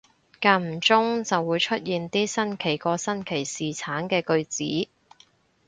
間唔中就會出現啲新奇過新奇士橙嘅句子